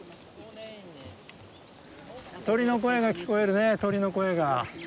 鳥の声が聞こえるね鳥の声が。